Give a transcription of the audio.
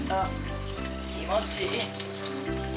気持ちいい。